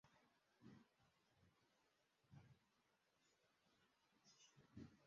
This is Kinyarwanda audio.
Umugabo wambaye scrubs arimo kubaga